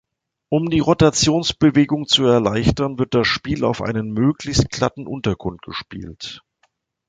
Um die Rotationsbewegung zu erleichtern, wird das Spiel auf einem möglichst glatten Untergrund gespielt.